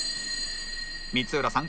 光浦さん